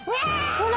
ほら！